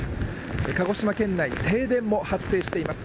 鹿児島県内停電も発生しています。